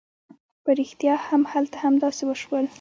په رښتيا هم هلته همداسې وشول.